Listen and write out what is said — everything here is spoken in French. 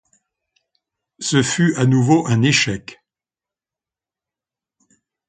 Ce fut à nouveau un échec.